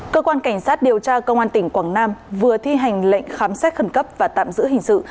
cơ quan cảnh sát điều tra công an tỉnh quảng nam vừa thi hành lệnh khám xét khẩn cấp và tạm giữ hình sự